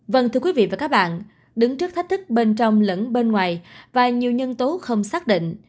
vâng thưa quý vị và các bạn đứng trước thách thức bên trong lẫn bên ngoài và nhiều nhân tố không xác định